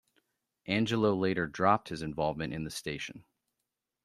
Angelo later dropped his involvement in the station.